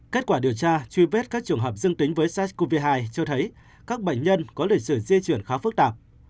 kết quả điều tra truy vết các trường hợp dương tính với sars cov hai cho thấy các bệnh nhân có lịch sử di chuyển khá phức tạp